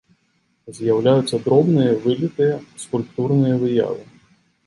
З'яўляюцца дробныя вылітыя скульптурныя выявы.